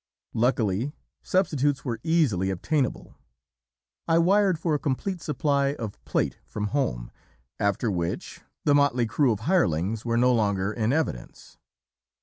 Luckily, substitutes were easily obtainable. I wired for a complete supply of plate from home, after which the motley crew of hirelings were no longer in evidence.